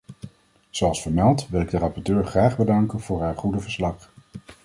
Zoals vermeld, wil ik de rapporteur graag bedanken voor haar goede verslag.